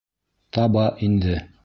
Таба инде.